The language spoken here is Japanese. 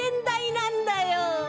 なんだよ！